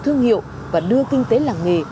thương hiệu và đưa kinh tế làng nghề